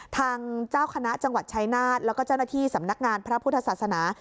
ทางเจ้าคณะจังหวัดชายนาฏแล้วก็เจ้าหน้าที่สำนักงานพระพุทธศาสนา